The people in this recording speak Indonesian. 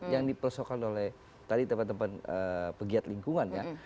yang dipersoalkan oleh tadi teman teman pegiat lingkungan ya